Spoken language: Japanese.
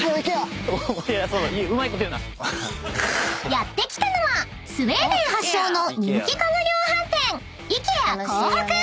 ［やって来たのはスウェーデン発祥の人気家具量販店］